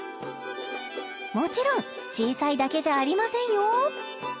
もちろん小さいだけじゃありませんよ